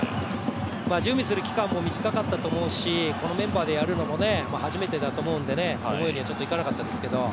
準備する期間も短かったと思うし、このメンバーでやるのも初めてだと思うので、思うようにはいかなかったですけど。